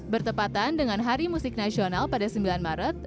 bertepatan dengan hari musik nasional pada sembilan maret